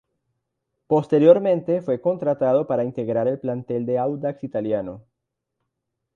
Posteriormente fue contratado para integrar el plantel de Audax Italiano.